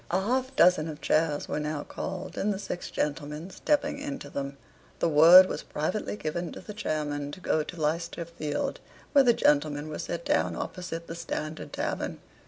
A half dozen of chairs were now called, and the six gentlemen stepping into them, the word was privately given to the chairmen to go to Leicester Field, where the gentlemen were set down opposite the "Standard Tavern."